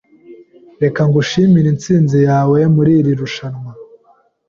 Reka ngushimire intsinzi yawe muri iri rushanwa.